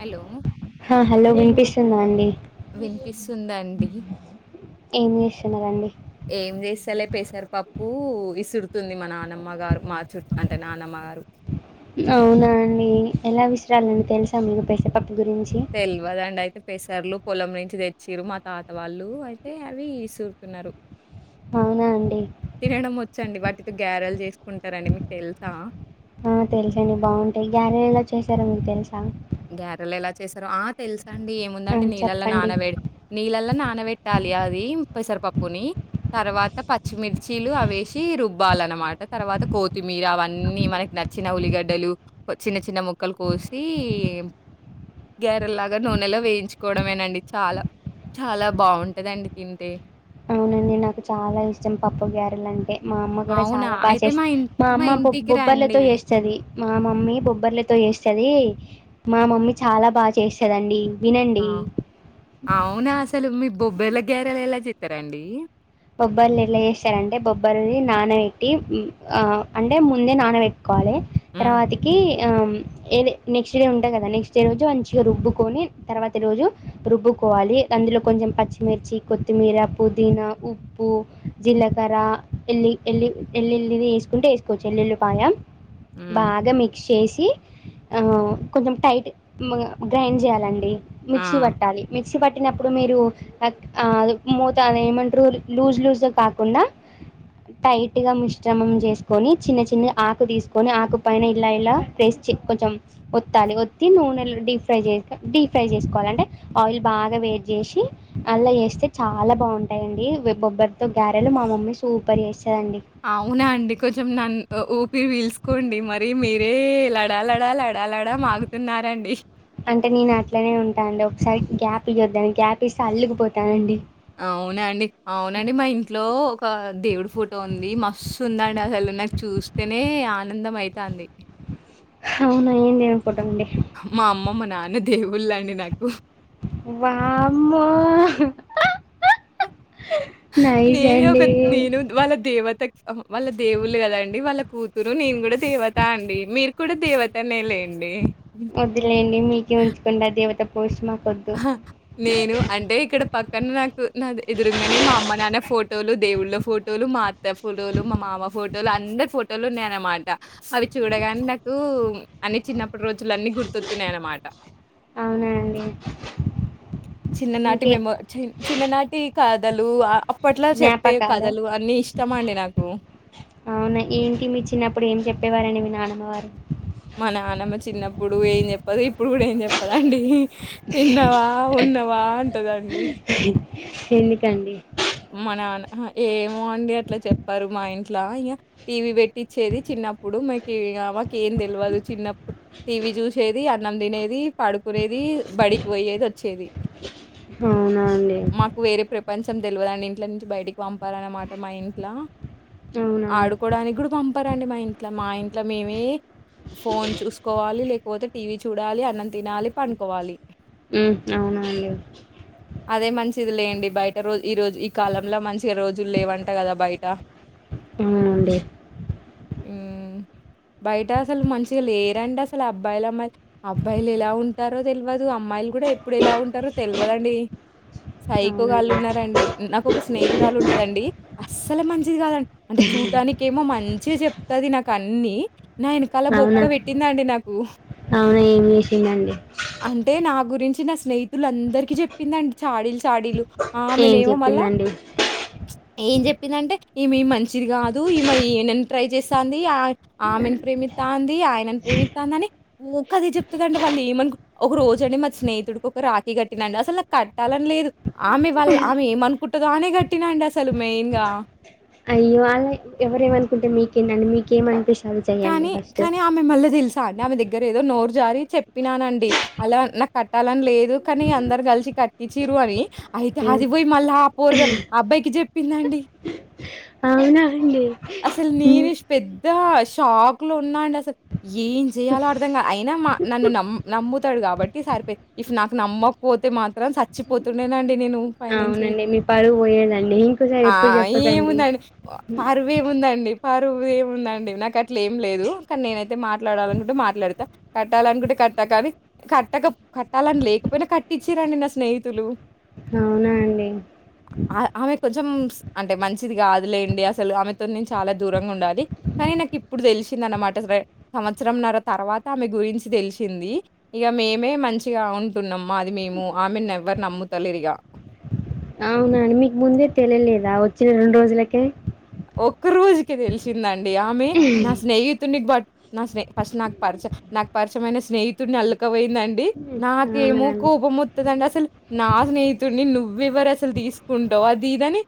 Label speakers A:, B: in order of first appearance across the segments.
A: Hello
B: ఆ hello వినిపిస్తుందా అండి
A: వినిపిస్తుందండి
B: ఏం చేస్తున్నరండి
A: పెసర్ పప్పు ఇసురుతుంది మా నానమ్మ గారు మా చుట్ అంటే నానమ్మ గారు
B: అవునా అండి ఎలా విషయాలు తెలుసా మీకు [unintelligible]
A: తెల్వదండి అయితే పెసర్లు పొలం నుంచి తెచ్చిరు మా తాత వాళ్ళు అయితే అవి ఇసురుతున్నారు
B: అవునా అండి
A: తినడం వచ్చండి వాటితో గ్యారెలు చేసుకుంటారండి మీకు తెలుసా
B: ఆ తెలుస అండి బాగుంటాయి గ్యారలు ఎలా చేశారో మీకు తెలుసా
A: గ్యారెలు ఎలా చేసారో ఆ తెలుసా అండి
B: ఆ
A: ఏముందండి నీళ్లలో
B: చెప్పండి
A: నానవేడి నీళ్ళల్లో నా నపెట్టాలి అది పెసరపప్పుని తర్వాత పచ్చిమిర్చిలు అ వేసి రుబ్బాలన్న అనమాట తర్వాత కొత్తిమీర అవన్నీ మనకి నచ్చిన ఉల్లిగడ్డలు చిన్న చిన్న ముక్కలు కోసి గరెల్లాగా నూనెలో వేయించుకోవడమేనండి చాలా చాలా బాగుంటదండి తింటే
B: అన్ని నాకు చాలా ఇష్టం పప్పు గారెలు అంటే మా అమ్మ కూడా
A: అవునా?
B: చాలా బాగా
A: అయితే
B: చేస్తది
A: ఇం
B: మా అమ్మ బొ
A: ఇంటికి రండి.
B: బొబ్బర్లతో చేస్తది మా మమ్మీ బొబ్బర్లతో చేస్తది మా మమ్మీ చాలా బాగా చేస్తదండి
A: ఆ
B: వినండి
A: అవునా అసలు మీ బొబ్బెల గారెలు ఎలా చెతరండి
B: బొబ్బర్లు ఎట్లా చేస్తారంటే బొబ్బరిని నానబెట్టి ఆ అంటే ముందే నానబె కోలి
A: హ్మ్.
B: తర్వాతకి ఆ ఏది నెక్స్ట్ డే ఉంటా కదా నెక్స్ట్ డే రోజు మంచిగా రుబ్బుకొని తర్వాతి రోజు రుబ్బు కోవాలి అందులో కొంచెం పచ్చిమిర్చి, కొత్తిమీర, పుదీనా ఉప్పు, జీలకర్ర, ఎల్లి ఎల్లి ఎల్లుల్లిని వేసుకుంటే వేసుకోవచ్చు ఎల్లుల్లిపాయ
A: హ్మ్.
B: బాగా మిక్స్ చేసి ఆ కొంచెం టైట్ గ్రైండ్ చేయాలండి మిక్సీ
A: ఆ!
B: పట్టాలి మిక్సీ పట్టినప్పుడు మీరు మూత అది ఏమం లూజ్ లూజ్ గా కాకుండా టైట్ గా మిశ్రమం చేసుకుని చిన్న చిన్న ఆకు తీసుకొని ఆకు పైన ఇలా ఇలా ప్రెస్ కొంచెం ఒత్తాలి ఒత్తి నూనె డీప్ ఫ్రై డీప్ ఫ్రై చేసుకోవాలి అంటే ఆయిల్ బాగా వెయిట్ చేసి అల్లా వేస్తే చాలా బాగుం తాయండి బొబ్బరితో గ్యారెలు మా మమ్మీ సూపర్ చేస్
A: అవునా అండి కొంచెం నన్ ఊపిరి వీల్సుకోండి మరి మీరే లడా లడా ల
B: అంటే నేను అట్లనే ఉంటా అండి ఒకసారి గ్యాప్ అయ్యిందని గ్యాప్ ఇస్తే అల్లుకుపోతానండి
A: అవునండి అవునండి మా ఇంట్లో ఒక దేవుడి ఫోటో ఉంది మస్తు ఉందండి అసలు నాకు చూస్తేనే ఆనందం అయితంది
B: అవునా ఏం దేవును ఫోటో అండి
A: మా అమ్మమ్మ, నాన్న దేవుళ్ళు అండి నాకు
B: వామ్మో నైస్
A: నేనే ఒక
B: అండి
A: నేను వాళ్ళ దేవత వాళ్ళ దేవుళ్ళ కదాండి వాళ్ళ కూతురు నేను కూడా దేవత అండి మీరు కూడా దేవతనేలే
B: వద్లేండి మీకే ఉంచకుండా దేవత పోష్మా
A: నేను అంటే ఇక్కడ పక్కన నాకు నాది ఎదురుగానే మా అమ్మ నాన్న ఫోటోలు దేవుళ్ళ ఫోటోలు మా అత్త ఫోటోలు మా మామ ఫోటోలు అందరి ఫోటోలు ఉన్నాయన్నమాట అవి చూడగానే నాకు అన్ని చిన్నప్పటి రోజులున్ని గుర్తొతున్నాయ అన్నమాట
B: అవునా అండి
A: చిన్ననాటి
B: ఇంకే
A: మెము చిన్ననాటి కథలు అప్పట్లో చెప్పే
B: జ్ఞాపకాలు
A: కథలు అన్నీ ఇష్టమండి నాకు.
B: అవునా ఏంటి మీ చిన్నప్పుడు ఏం చెప్ చెప్పేవారని మీ నానమ్మవారు
A: మా నానమ్మ చిన్నప్పుడు ఏం చెప్పదు ఇప్పుడు కూడా ఏం చెప్పదండి తిన్నవా ఉన్నవా అంటుందండి
B: ఎందుకండి
A: మన ఏమోండి అట్లా చెప్పారు మా ఇంట్లో ఇగ టీవీ పెట్టి టిచ్చేది చిన్నప్పుడు మకి మాకు ఏం తెల్వదు చిన్నప్పుడు టీవీ చూసేది అన్నం తినేది పడుకునేది బడికి పోయేది వచ్చేది
B: అవునా అండి
A: మాకు వేరే ప్రపంచం తెలవదు అండి ఇంటీలో నుంచి బయటికి పంపారు అనమాట మా ఇంట్లో
B: అవునా
A: ఆడుకోడానికి కూడా పంపారండి మా ఇంట్లో మా ఇంట్లో మేమే ఫోన్ చూసుకోవాలి లేకపోతే టీవీ చూడాలి అన్నం తినాలి పండుకోవాలి
B: ఉ అవున అండి
A: అదే మంచిది లెండి బయట రోజ ఈ రోజు ఈ కాలంలో మంచిగా రోజులు లేవంట కదా బయట
B: అవునండి
A: ఊ బయట అసలు మంచిగా లేరండి అసలు అబ్బాయిలు అమ్మాయి అబ్బాయిలు ఎలా ఉంటారో తెల్వదు దు అమ్మాయిలు కూడా ఎప్పుడు ఎలా ఉంటారో తెలివదండి సైకోగాల్లు
B: అవునండి
A: ఉన్నారు డి నాకు ఒక స్నేహితురాలు ఉంటదండి అస్సలు మంచిది కాదండి అంటే చూడ్టానికి ఏమో మంచి చిగా చెప్తది నాకు అన్ని నా వెనకాల బొక్క
B: అవునా
A: పెట్టిందండి నాకు
B: అవునా ఏమి చేసిందండీ
A: చి నా స్నేహితులు అందరికి చెప్పిందండి చాడీలు చాడీలు ఆమే
B: ఏం
A: నేమో మళ్ళా
B: చెప్పిందండి
A: ఏం చెప్పిందంటే ఈమే మంచి చిది కాదు ఈమే ఈయనను ట్రై చేస్తాంది ఆ ఆమెను ప్రేమి త్తంది ఆయనని ప్రేమిత్తంది అని ఊక అదే చెప్తుందండి వాళ్ళు ఏమనికుని ఒక రోజు అండి మా స్నేహితుడు రాఖీ కట్టిన అండి అసలు నాకు కట్టాలని లేదు ఆమె వాళ్ళ ఆమె ఏమ అనుకుంటదో అనే కట్టిన అండి అసలు మెయిన్ గా
B: అయ్యో అలా ఎవరేమనుకుంటే మీకేం దండి మీకు ఏమనిపిస్తే
A: కానీ కాని ఆమె మళ్ళీ తెలిసా ఆమె దగ్గర ఏదో నోరు జారి చెప్పినానండి అలా నాకు కట్టాలని లేదు కానీ అందరు కలిసి క చిరు అని అయితే
B: ఉమ్.
A: అది పోయి మళ్ళా ఆ పోరగా అబ్బాయికి చెప్పిందండి
B: అవునా అండి
A: అసలు
B: ఉమ్,
A: నేనే పెద్ద షాక్ లో ఉన్నా అండి అసలు ఏం చేయాలో అర్ధంగా అయినా మా నన్ను నమ్ నమ్ముతాడు కాబట్టి సరిపో ఇఫ్ నాకు నమ్మకపోతే మాత్రం చచ్చిపోతుండేనండి నేను పై నుంచి
B: అవునండి మీ పరువు పోయేదండి ఇంకోసారి
A: ఆ
B: ఎప్పుడు చెప్పకండి
A: ఏముందండి పారు పరువు ఏముందండి నాకు అట్లా ఏం లేదు కానీ నేనైతే మాట్లాడాలనుకుంటే మాట్లాడతా కట్టాల అనుకుంటే కట్టక అనీ కట్టక కట్టాలని లేకపోయినా కట్టిచ్చారండి నా స్నేహితులు
B: అవునా అండి
A: ఆ ఆమె కొంచెం అంటే మంచిది కాదులేండి అసలు ఆమె తో చాలా దూరంగా ఉండాలి కానీ నాకు ఇప్పుడు తెలిసింద అనమాట సంవత్సరం నర్రా తర్వాత ఆమె గురించి తెలిసింది ఇగ మేమే మంచిగా ఉంటున్నాం మాది మేము ఆమెను ఎవరు నమ్ముతలేరు ఇగ
B: అవునా మీకు ముందే తెలియలేదా వచ్చిన రెండు రోజులకే
A: ఒక్క రోజుకే తెలిసిందండి ఆమె నా స్నేహితున్నీ బట్టి నా స్నే ఫస్ట్ నాకు పరిచ నాకు పరిచయమైన స్నేహితుడిని అల్లుకపోయిందండి
B: అవునా
A: నాకేమో
B: అండి
A: కోపం వత్తదండి అసలు నా స్నేహితుడిని నువ్వు ఎవరు అసలు తీసుకుంటావు అది ఇదని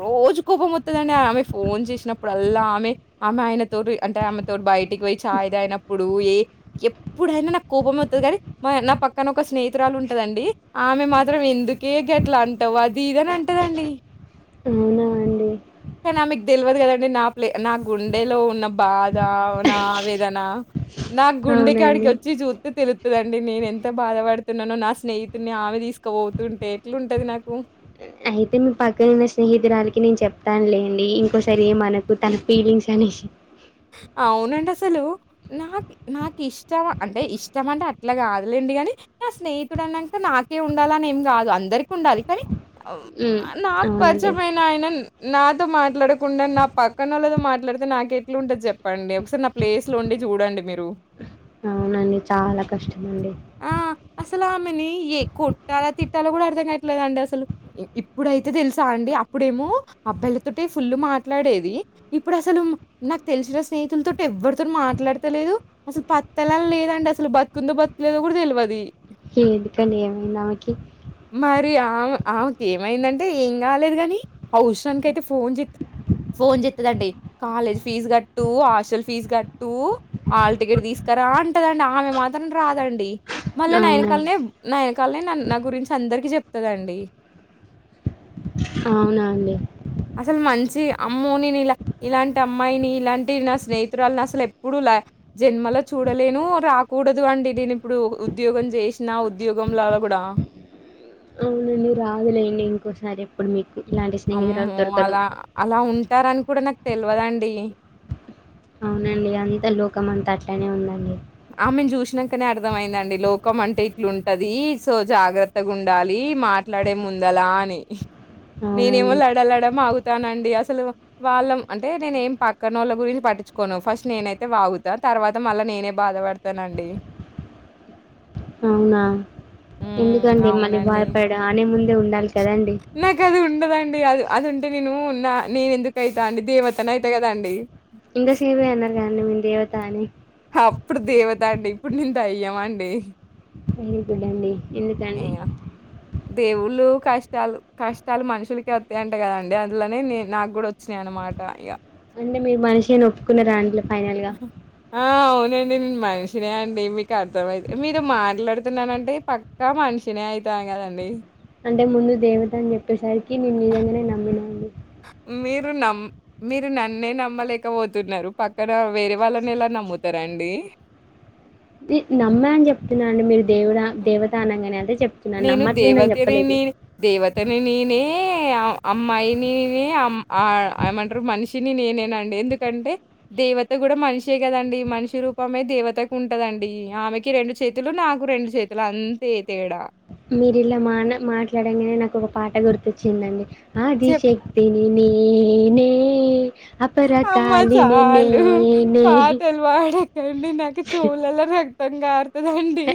A: రోజు కోపం వత్తది అండి ఆమె ఫోన్ చేసినప్పుడు అల్లా ఆమె ఆమె ఆయనతోటి అంటే ఆమెతోటి బయటికి పోయి చాయ్ తాగినప్పుడు ఏ ఎప్పుడైనా నాకు కోపం వత్తది కానీ మా నా పక్కన ఒక స్నేహతురాలు ఉంటదండి ఆమె మాత్రం ఎందుకే గట్లా అంటావు అది ఇదని అంటదండి
B: అవునా అండి
A: కానీ ఆమెకు తెల్వదు కదండి నా ప్లే నా గుండెలో ఉన్న బాధ నా ఆవేదనా నా గుండె కాడికి
B: అవునండి
A: వచ్చి చూత్తే తెలు దండి నేను ఎంత బాధపడుతున్నానో నా స్నేహితుని ఆమె తీసుకుపోతుంటే ఎట్లుంటది నాకు
B: అయితే మీ పక్కన ఉన్న స్నేహితురాలకి నేను చెప్తానులేండి ఇంకోసారి ఏమనకు తన ఫీలింగ్స్ అని
A: అవునండి అసలు నాకు నాకు ఇష్టం అంటే ఇష్టం అంటే అట్లా కాదులేండి కాని నా స్నేహితుడు అన్నాక నాకే ఉండాలని ఏం కాదు అందరికి ఉండాలి కానీ
B: ఉమ్,
A: నాకు
B: అవునండి
A: పరిచమైన ఆయన నాతో మాట్లాడకుండా నా పక్కన వాళ్ళతో మాట్లాడ్ డితే నాకు ఎట్లా ఉంటది చెప్పండి ఒకసారి నా ప్లేస్ లో ఉండి చూడండి మీరు
B: అండి చాలా కష్టమండి
A: ఆ! అసలు ఆమెని ఏ కొట్టాలా తిట్టాలా కూడా అర్థం కాయట్లేదండి అసలు ఇప్పుడైతే తెలుసా అండి ఇప్పుడేమో అబ్బాయిలతోటే ఫుల్ మాట్లాడేది ఇప్పుడు అసలు నాకు తెలిసిన స్నేహితులతోటి ఎవ్వరితో మాట్లాడతలేదు అసలు పత్ల లేదండి అసలు బతుకుందో బతుకులేదో కూడా తెల్వది
B: ఎందుకని ఏమైంది ఆమెకి
A: రి ఆ ఆమెకు ఏమైందంటే ఏం కాలేదు కానీ అవసరానికి అయితే ఫోన్ చెత్త ఫోన్ చెత్తదండి కాలేజ్ ఫీజు కట్ టు హాస్టల్ ఫీజు కట్టు హాల్ టికెట్ తీసుకరా అంటదండి ఆమె మాత్రం రాదండి మళ్ళా
B: అవునా
A: నాయనకాలనే నాయనకాలనే నా గురించి అందరికి చెప్తందండి
B: అవునా అండి
A: అసలు మంచి అమ్మోని ఇలా ఇలాంటి అమ్మాయిని ఇలాంటి నా స్నేహితురాళని అసలు ఎప్పుడుూ లా జన్మలో చూడలేను రాకూడదు అండి నేను ఇప్పుడు ఉద్యోగం చేసినా ఉద్యోగంలోలా ప్యుడా
B: అవునండి రాదులేండి ఇంకోసారి ఎప్పుడు మీకు ఇలాంటి స్నేహితురాలు
A: అమ్మో
B: దొరకదు
A: అలా అలా ఉంటారని కూడా నాకు తెల్వదండి
B: అవునండి అంత లోకం అంతా అట్లనే ఉందండి
A: ఆమెను చూసినాకనే అర్థమయిందండి లోకం అంటే ఇట్లుంటది సో జాగ్రత్తగా ఉండాలి మాట్లాడే ముందలా అని నేనేమో
B: అవునండి
A: లడలడ వాగుతానండి అసలు వాళ్ళం అంటే నేనే ఏం పక్కన వాళ్ళ గురించి పట్టి నచ్చుకోను ఫస్ట్ నేనైతే వాగుతా తర్వాత మళ్ళా నేనే బాధపడతానండి
B: అవునా
A: హ్మ్.
B: ఎందుకండి మళ్ళీ బాధపడం అనే ముందే ఉండాలి కదండి
A: నాక అది ఉండదాన్ ఆ అద్ అదింటే నేను ఉన్నా నేన ఎందుకు అయిత అండి దేవతన అయిత కదాండి
B: ఇంకా సేపే అన్నారు కాదండీ మీ దేవత అని
A: అప్పుడు దేవత అండి ఇప్పుడు నేను దెయ్యం అండి
B: వీరి గుడ్ అండి
A: ఏ
B: ఎందుకండి
A: దేవుళ్ళు కష్టాలు కష్టాలు మనుషులకే వతాయింటే కదండి అందులోనే నే నాకు కూడా వచ్చినాయ మాటా ఇగ
B: అంటే మీరు మనిషి అని ఒప్పుకున్న రా అండి ఫైనల్ గా
A: ఆ అవునండి నేను మనిషినే అండి మీకు అర్థమైది మీరు మాట్లాడుతున్నానంటే పక్కా మనిస్ మషినే అయిత కదండి
B: అంటే ముందు దేవత అని చెప్పేసరికి నేను నిజంగానే నమ్మినాండి
A: మీరు నమ్ మీరు నన్నే నమ్మలేకపోతున్నారు పక్కన వేరే వాళ్ళని ఎలా నమ్ముతారాండి
B: నమ్మ అని చెప్తున్నా అండి మీరు దేవు దేవతా అనంగానే అదే చెప్తున్నాను
A: నేను
B: నమ్మట్లేనని చెప్పలేదు
A: దేవతరిని దేవత్ అతని నేనే అమ్మాయినినే అమ్ ఆ ఏమంటారు మనిషిని నేనేనండి ఎందుకంటే దేవత కూడా మనిషే కదండి మనిషి రూపమే దేవతకు ఉంటదండి ఆమెకి రెండు చేతులు నాకు రెండు చేతులు అంతే తేడా
B: మీరి ఇలా మాన మాట్లాడంగానే నాకు ఒక పాట గుర్తొచ్చిందండి ఆది
A: చెప్
B: శక్తినీ నేనే
A: అమ్మ
B: అపరకాలిని
A: చాలు
B: నేనే
A: పాటలు పాడకండి నాకు చెవులలో రక్తం కారుతుందండి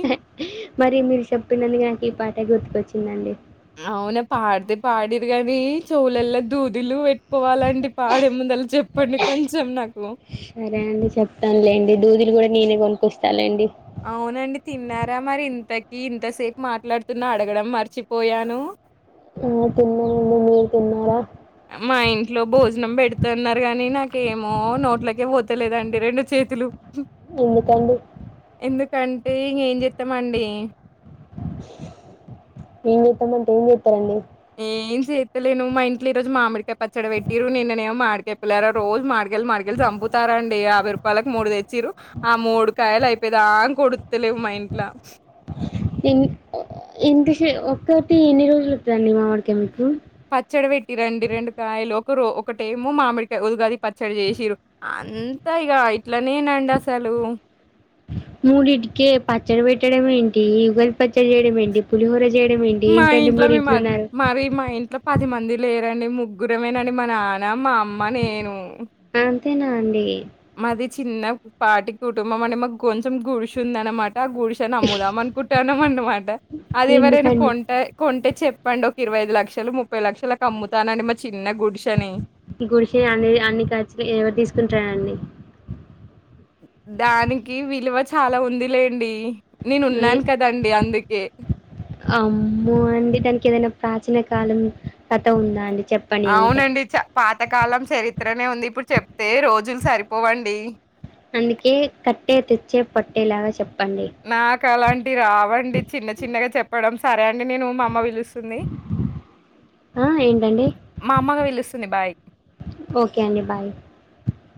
B: మరి మీరు చెప్పినందుకు నాకు ఈ పాట గుర్తుకొచ్చిందండి
A: అవునా పాడితే పాడిర్రు కానీ చెవులల్లో దూదులు పెట్టుకోవాలంటే పాడే ముందల చెప్పండి కొంచెం నాకు
B: సరే అండి చెప్తానులేండి దూదులు కూడా నేనే పంపిస్తాలేండి
A: అవునండి తిన్నారా మరి ఇంతకి ఇంతసేపు మాట్లాడుతున్నా అడగడం మర్చిపోయాను
B: ఆ తిన్ననండి మీరు తిన్నారా
A: మా ఇంట్లో భోజనం పెడుతున్నారు గాని నాకేమో నోట్లకే పోతలేదండి రెండు చేతులు
B: ఎందుకండి
A: కంటే ఇంగ ఏం చెప్తామండి
B: ఏం చేస్తామంటే ఏం చేత్తారండి
A: ఏం చేతలేను మా ఇంట్ల ఈరోజు మామిడికాయ పచ్చడి పెట్టిరు నిన్న నేమో మామిడికాయ పులిహోర రోజు మ మా డికాయలు మాడికాయలు చంపుతారండి యాభై రూపాయలకి మూడు తెచ్చిరు ఆ మూడు కాయలు అయిపోయిదాంకా ఉడుక్తలే మా ఇంట్ల
B: ఎని ఎంతసే ఒక్కటి ఎన్ని రోజులు వత్తదండి మామిడికాయ మీకు
A: పచ్చడి పెట్టిరండి రెండు కాయలు ఒకరు ఒకటేమో మామిడికాయ ఉగాది పచ్చడి చేసిరు అంతా ఇగ ఇట్లనేనండి అసలు
B: మూడింటికే పచ్చడి పెట్టడం ఏంటి యుగలి పచ్చడి చేయడం ఏంటి పులిహోర చేయడం ఏంటి
A: మా
B: ఏంటండి మీరు ఇట్లున్నారు
A: పది మంది లేరండి ముగ్గురమేనండి మా నాన్న మా అమ్మ నేను
B: అంతేనా అండి
A: మాది చిన్న పాటి కుటుంబం అండి మాకు కొంచెం గుడిసుందనమా ట గూడిసేను అమ్ముదాం అనుకుంటాన్నాం అన్నమాట అది ఎవరైనా
B: ఎందుకండి
A: కొంట కొంటే చెప్పండి ఒక ఇరవై ఐదు లక్షలు ముప్పై లక్షలకు అమ్ముతానండి మా చిన్న గుడిసే
B: గుడిసే అన్ని అన్ని కచ్చి ఎవరు తీసుకుంటారండి
A: దానికి విలువ చాలా ఉంది లేండి
B: ఎ అమ్మో అండి దానికి ఏదైనా ప్రాచీన కాలం కథ ఉందా అండి చెప్పండి ఉంటే
A: అవునండి చ పాతకాలం చరి త్రనే ఉంది ఇప్పుడు చెప్తే రోజులు సరిపోవండి
B: అందుకే కట్టే తెచ్చే పట్టేలాగా చెప్పండి
A: కలాంటి రావండి చిన్న చిన్నగా చెప్పడం సరే అండి నేను మా అమ్మ పిలుస్తుంది
B: ఆ ఏంటండి
A: మా అమ్మగా పిలుస్తుంది బాయ్
B: ఓకే అండి బాయ్